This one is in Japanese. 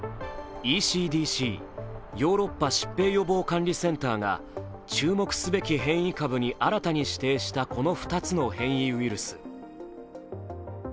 ＥＣＤＣ＝ヨーロッパ疾病予防管理センターが注目すべき変異株に新たに指定したこの２つの変異ウイルス。